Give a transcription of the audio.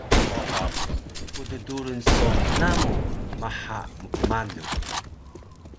Pddurun so namu maha mkmalu